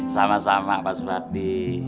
sama sama pak subarti